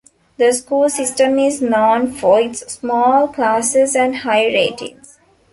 The school system is known for its small classes and high ratings.